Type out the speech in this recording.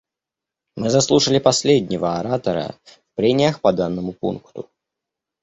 Мы заслушали последнего оратора в прениях по данному пункту.